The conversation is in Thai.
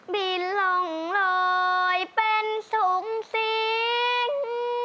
บินล่องรอยเป็นสุ่มสิง